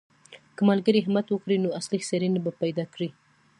که ملګري همت وکړي نو اصلي څېړنې به پیدا کړي.